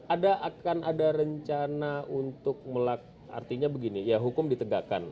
ada akan ada rencana untuk melakukan artinya begini ya hukum ditegakkan